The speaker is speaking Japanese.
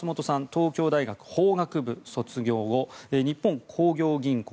東京大学法学部卒業後日本興業銀行